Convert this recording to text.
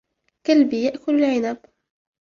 كلبي يأكل العنب.